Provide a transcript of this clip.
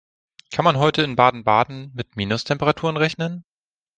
Kann man heute in Baden-Baden mit Minustemperaturen rechnen?